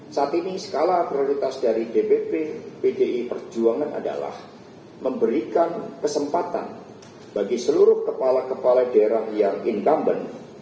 saat ini skala prioritas dari dpp pdi perjuangan adalah memberikan kesempatan bagi seluruh kepala kepala daerah yang incumbent